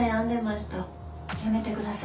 ・やめてください。